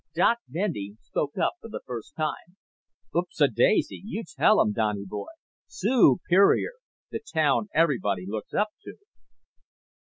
Doc Bendy spoke for the first time: "Oops a daisy! You tell 'im, Donny boy. Soo perior the town everybody looks up to."